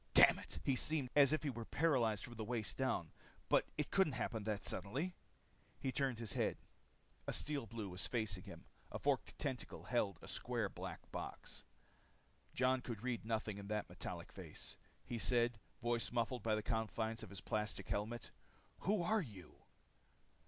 Damn it, he seemed as if he were paralyzed from the waist down. But it couldn't happen that suddenly. He turned his head. A Steel Blue stood facing him. A forked tentacle held a square black box. Jon could read nothing in that metallic face. He said, voice muffled by the confines of the plastic helmet, "Who are you?"